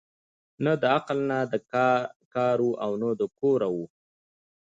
نه د عقل نه د کار وه نه د کور وه